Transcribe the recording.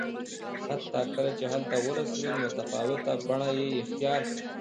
حتی کله چې هلته ورسېدل متفاوته بڼه یې اختیار کړه